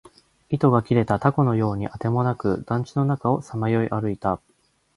糸が切れた凧のようにあてもなく、団地の中をさまよい歩いた